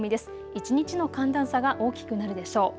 一日の寒暖差が大きくなるでしょう。